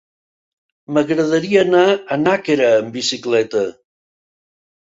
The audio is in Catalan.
M'agradaria anar a Nàquera amb bicicleta.